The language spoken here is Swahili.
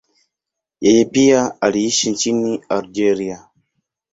Yeye pia aliishi nchini Algeria.